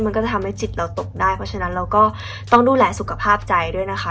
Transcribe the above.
มันก็จะทำให้จิตเราตกได้เพราะฉะนั้นเราก็ต้องดูแลสุขภาพใจด้วยนะคะ